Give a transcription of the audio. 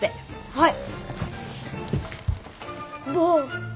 はい！